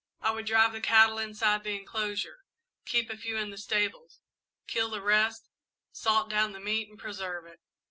"I would drive the cattle inside the enclosure, keep a few in the stables, kill the rest, salt down the meat, and preserve it.